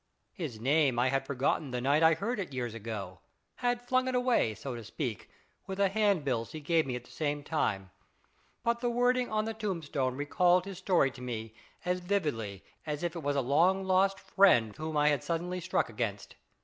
His name I had forgotten the night I heard it years ago ; had flung it away, so to speak, with the hand bills he gave me at the same time, but the wording on the tombstone recalled his story to me as vividly as if it was a long lost friend J. M. BAKRIE. IS IT A MAN? 239 whom I had suddenly struck against.